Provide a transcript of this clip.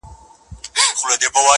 په محبت کي يې بيا دومره پيسې وغوښتلې,